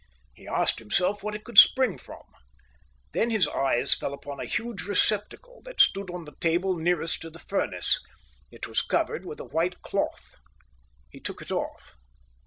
He asked himself what it could spring from. Then his eyes fell upon a huge receptacle that stood on the table nearest to the furnace. It was covered with a white cloth. He took it off.